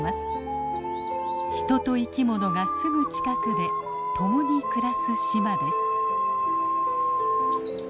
人と生きものがすぐ近くで共に暮らす島です。